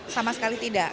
sama sekali tidak